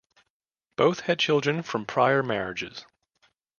Both had children from prior marriages.